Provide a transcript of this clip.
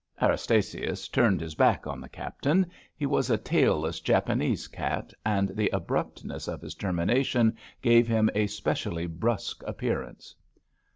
*' Erastasius turned his back on the Captain. He was a tailless Japanese eat, and the abruptness of his termination gave him a specially brusque appearance.